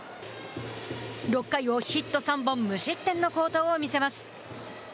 ６回をヒット３本無失点の好投を見せます。